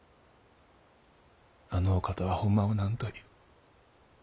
あのお方はほんまは何という。